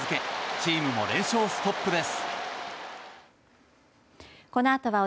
チームも連勝ストップです。